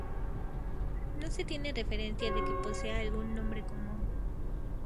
No se tiene referencia de que posea algún nombre común.